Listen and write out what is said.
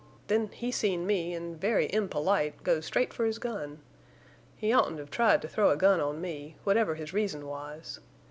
Then he seen me, an' very impolite goes straight for his gun. He oughtn't have tried to throw a gun on me—whatever his reason was.